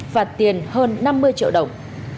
và tiền hơn năm mươi triệu đồng